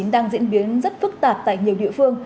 đang diễn biến rất phức tạp tại nhiều địa phương